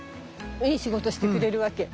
いい仕事してくれるわけ。